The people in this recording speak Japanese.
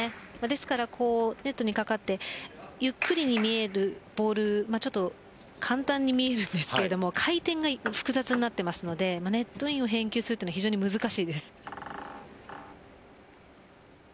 ですからネットにかかってゆっくりに見えるボール簡単に見えるんですけど回転が複雑になっていますのでネットインを返球するのは難しいです。